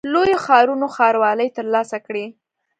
لویو ښارونو ښاروالۍ ترلاسه کړې.